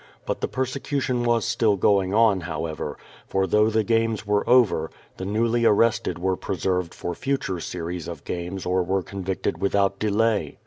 But the persecution was still going on, however, for, though the games were over, the newly arrested were preserved for future series of games or were convicted without delay.